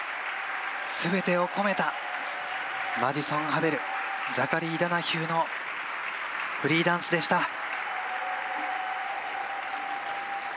すべてをこめたマディソン・ハベルザカリー・ダナヒューのフリーダンスでした。